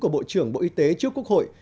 bộ trưởng bộ y tế trước quốc hội